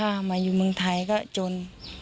แลกเงินจนค่ะมาอยู่เมืองไทยก็จน